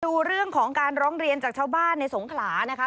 ดูเรื่องของการร้องเรียนจากชาวบ้านในสงขลานะคะ